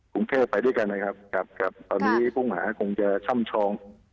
กรุงเทพไปด้วยกันนะครับตอนนี้พวกหมาคงจะช่ำชอง